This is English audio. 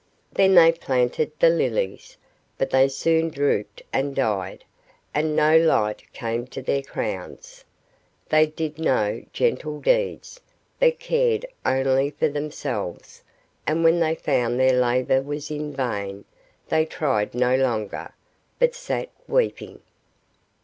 Then they planted the lilies; but they soon drooped and died, and no light came to their crowns. They did no gentle deeds, but cared only for themselves; and when they found their labor was in vain, they tried no longer, but sat weeping.